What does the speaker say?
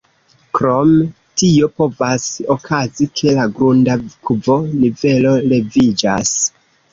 Krom tio povas okazi, ke la grundakvo-nivelo leviĝas.